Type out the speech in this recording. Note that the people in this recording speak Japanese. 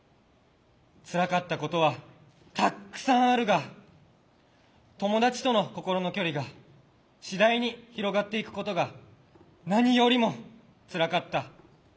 つらかったことはたくさんあるが友達との心の距離がしだいに広がっていくことが何よりもつらかった。